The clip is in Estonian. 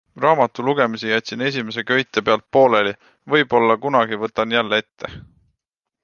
Raamatu lugemise jätsin esimese köite pealt pooleli, võib-olla kunagi võtan jälle ette.